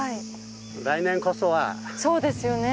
来年こそはそうですよね